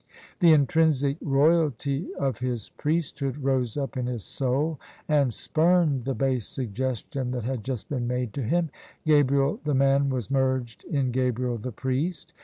The intrinsic royalty of his priesthood rose up in his soul, and spurned the base suggestion that had just been made to him: Gabriel the man was merged in Gfabriel the priest.